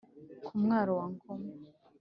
ku mwaro wa ngoma